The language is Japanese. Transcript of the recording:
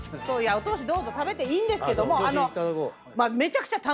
お通し食べていいんですけども。